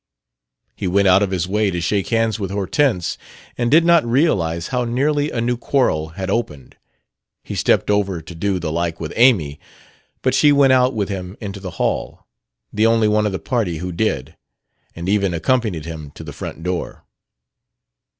He went out of his way to shake hands with Hortense, and did not realize how nearly a new quarrel had opened. He stepped over to do the like with Amy; but she went out with him into the hall, the only one of the party who did, and even accompanied him to the front door.